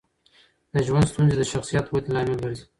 د ژوند ستونزې د شخصیت ودې لامل ګرځي.